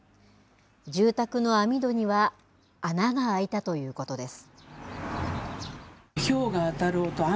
住宅の網戸には穴が開いたということです。